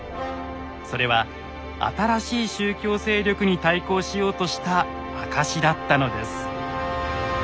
それは新しい宗教勢力に対抗しようとした証しだったのです。